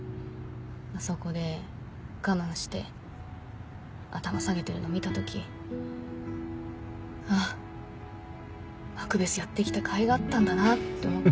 あそこで我慢して頭下げてるの見た時あぁマクベスやって来たかいがあったんだなと思って。